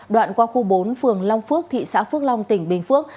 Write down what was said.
đoạn qua khu bốn phường long phước thị xã phước long tỉnh bình phước